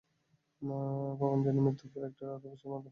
প্রভাঞ্জনের মৃত্যুর পর একটা রাতও সে মাতাল না হয়ে ঘরে ফেরেনি।